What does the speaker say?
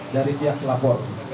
dari pihak pelapor